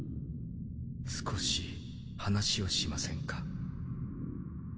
少し話をしませんか？